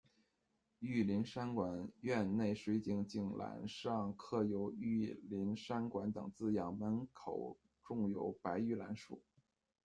玉林山馆院内水井井栏上刻有“玉林山馆”等字样，门口种有白玉兰树。